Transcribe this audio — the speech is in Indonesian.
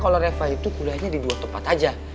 kalau reva itu kuliahnya di dua tempat aja